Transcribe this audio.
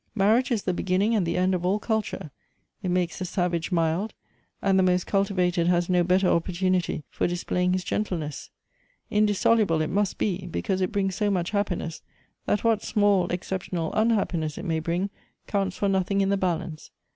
Marriage is the beginning and the end of all cultui e. It makes the savage mild ; and the most culti vated has no better opportunity for displaying his gentle ness. Indissoluble it must be, because it brings so much happiness that what small exceptional unhappiness it may bring counts for nothing in the balance.